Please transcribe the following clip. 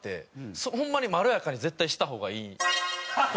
ホンマにまろやかに絶対した方がいい。